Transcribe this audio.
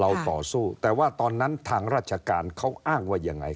ต่อสู้แต่ว่าตอนนั้นทางราชการเขาอ้างว่ายังไง